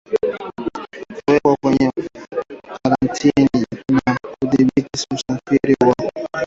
Kuweka kwenye karantini na kudhibiti usafiri wa wanyama